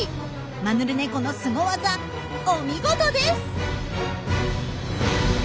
マヌルネコのスゴ技お見事です！